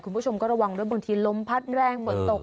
คุณผู้ชมก็ระวังด้วยบางทีลมพัดแรงหมดตก